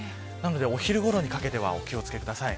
お昼ごろにかけてお気を付けください。